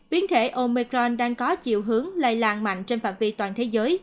biến thể omicron đang có chiều hướng lây làng mạnh trên phạm vi toàn thế giới